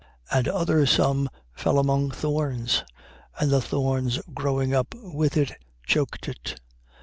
8:7. And other some fell among thorns. And the thorns growing up with it, choked it.